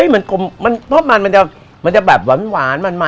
มันฟอบมันมันจะแบบหวาน